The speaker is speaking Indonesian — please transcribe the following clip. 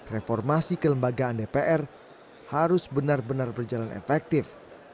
reformasi kelembagaan dpr harus benar benar berjalan efektif